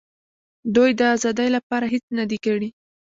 دوی د آزادۍ لپاره هېڅ نه دي کړي.